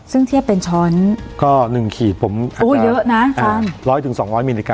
ซึ่งเทียบเป็นช้อนก็หนึ่งขีดผมโอ้ยเยอะนะค่ะร้อยถึงสองร้อยมิลลิกรัม